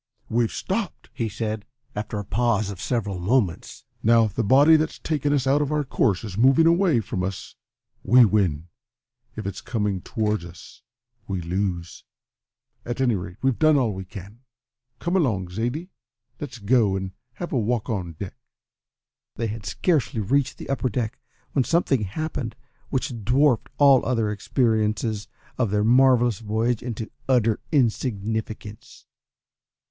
"We've stopped!" he said, after a pause of several moments. "Now, if the body that's taken us out of our course is moving away from us we win, if it's coming towards us we lose. At any rate, we've done all we can. Come along, Zaidie, let's go and have a walk on deck." They had scarcely reached the upper deck when something happened which dwarfed all the other experiences of their marvellous voyage into utter insignificance.